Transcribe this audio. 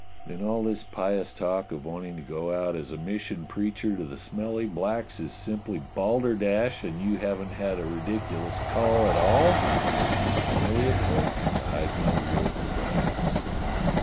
"Then all this pious talk of wanting to go out as a mission preacher to the smelly blacks is simply balder dash, and you haven't had a ridiculous 'call' at all?" 230 DOCTOR SYN Merely a cloak to hide my real designs.'